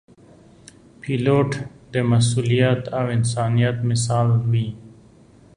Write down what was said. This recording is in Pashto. پیلوټ د مسؤلیت او انسانیت مثال وي.